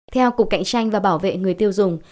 theo cục cạnh tranh và bảo vệ người tiêu dùng